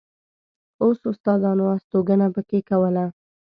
اوس استادانو استوګنه په کې کوله.